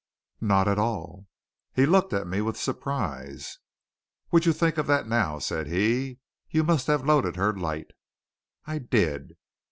"Not at all." He looked at me with surprise. "Would you think of that, now!" said he. "You must have loaded her light." "I did."